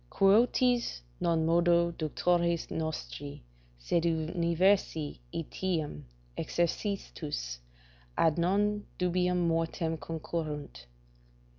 "Quoties non modo ductores nostri, sed universi etiam exercitus, ad non dubiam mortem concurrerunt?"